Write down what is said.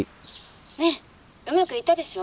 「ねえうまくいったでしょ？」。